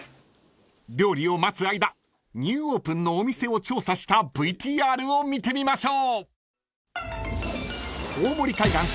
［料理を待つ間ニューオープンのお店を調査したＶＴＲを見てみましょう］